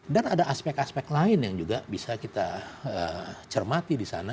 dan ada aspek aspek lain yang juga bisa kita cermati di sana